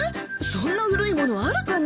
そんな古いものあるかな？